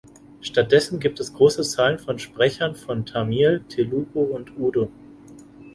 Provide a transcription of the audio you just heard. Stattdessen gibt es große Zahlen von Sprechern von Tamil, Telugu und Urdu.